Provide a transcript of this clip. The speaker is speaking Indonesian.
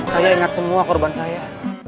saya ingat semua korban saya